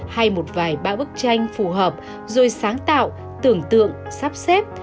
hay một vài ba bức tranh phù hợp rồi sáng tạo tưởng tượng sắp xếp